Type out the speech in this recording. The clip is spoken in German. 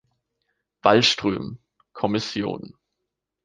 Wallström, Kommission.